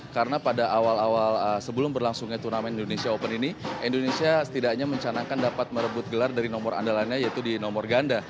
karena pada awal awal sebelum berlangsungnya turnamen indonesia open ini indonesia setidaknya mencanangkan dapat merebut gelar dari nomor andalanya yaitu di nomor ganda